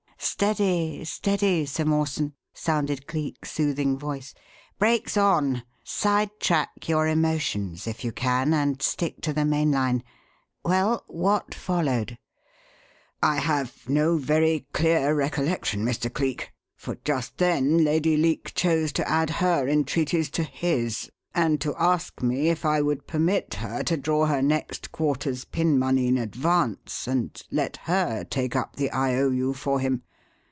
"Steady, steady, Sir Mawson!" sounded Cleek's soothing voice. "Brakes on! Sidetrack your emotions if you can and stick to the mainline! Well, what followed?" "I have no very clear recollection, Mr. Cleek, for just then Lady Leake chose to add her entreaties to his, and to ask me if I would permit her to draw her next quarter's pin money in advance and let her take up the I. O. U. for him.